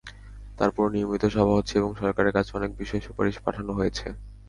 তারপরও নিয়মিত সভা হচ্ছে এবং সরকারের কাছে অনেক বিষয়ে সুপারিশ পাঠানো হয়েছে।